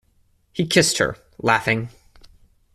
He kissed her, laughing.